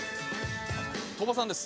鳥羽さんです。